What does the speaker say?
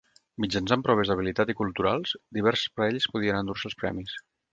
Mitjançant proves d'habilitat i culturals, diverses parelles podien endur-se els premis.